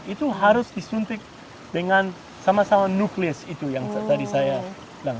itu harus disuntik dengan sama sama nuklis itu yang tadi saya bilang